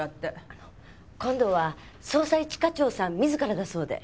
あの今度は捜査一課長さん自らだそうで。